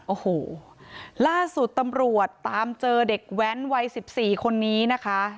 โอ้โหล่าสุดตำรวจตามเจอเด็กแว้นวัยสิบสี่คนนี้นะคะ